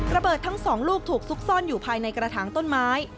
ระเบิดทั้งสองลูกถูกซุกซ่อนอยู่ภายในกระถางต้นไม้